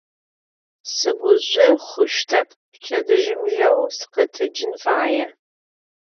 Sıguzjo xhuştep, pçedıjım jeu sıkhetecın faê.